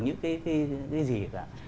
những cái gì cả